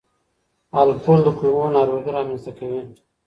الکول د کولمو ناروغي رامنځ ته کوي.